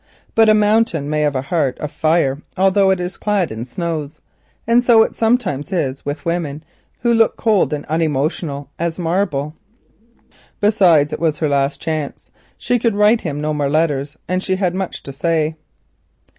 But a mountain may have a heart of fire although it is clad in snows, and so it sometimes is with women who seem cold and unemotional as marble. Besides, it was her last chance—she could write him no more letters and she had much to say.